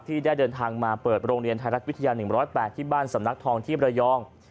ที่ได้เดินทางมาเปิดโรงเรียนไทยรัฐวิทยา๑๐๘ที่บ้านสำนักทองที่มรยอง